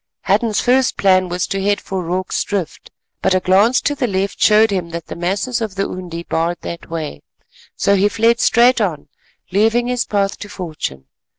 Hadden's first plan was to head for Rorke's Drift, but a glance to the left showed him that the masses of the Undi barred that way, so he fled straight on, leaving his path to fortune.